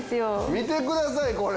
見てくださいこれ。